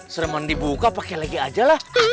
seremen dibuka pakai lagi aja lah